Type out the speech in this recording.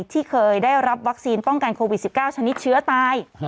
ที่เคยได้รับวัคซีนป้องกันโควิด๑๙ชนิดเชื้อตาย